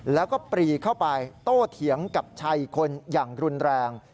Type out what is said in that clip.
แล้วก็ปรีเข้าไปโต้เถียงกับชายอีกคนอย่างรุนแรง